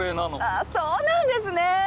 あそうなんですね！